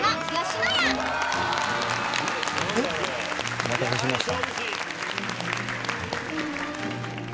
お待たせしました。